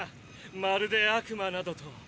まるで悪魔などと。